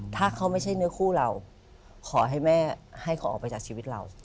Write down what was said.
ถ้าเขาไม่ใช่เนื้อคู่เราขอให้แม่ให้เขาออกไปจากชีวิตเรา